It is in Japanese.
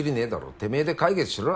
てめぇで解決しろ。